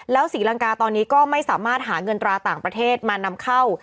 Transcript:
ศรีลังกาตอนนี้ก็ไม่สามารถหาเงินตราต่างประเทศมานำเข้า